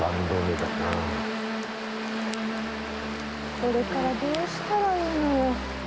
これからどうしたらいいのよ。